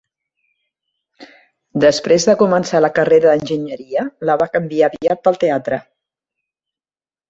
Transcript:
Després de començar la carrera d'enginyeria, la va canviar aviat pel teatre.